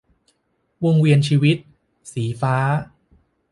วงเวียนชีวิต - สีฟ้า